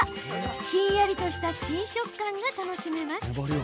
ひんやりとした新食感が楽しめます。